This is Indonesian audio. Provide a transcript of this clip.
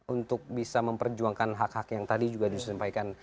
untuk bisa memperjuangkan hak hak yang tadi juga disampaikan